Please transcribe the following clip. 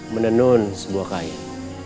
menenun sebuah kain